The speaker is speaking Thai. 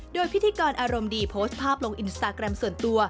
โดยพิธีกรอารมณ์ดีโพสต์ภาพลงอินสตาแกรมส่วนตัว